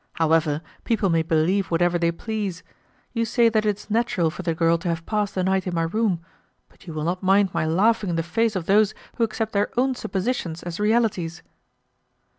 However, people may believe whatever they please. You say that it is natural for the girl to have passed the night in my room, but you will not mind my laughing in the face of those who accept their own suppositions as realities."